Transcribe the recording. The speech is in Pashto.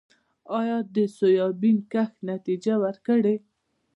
آیا د سویابین کښت نتیجه ورکړې؟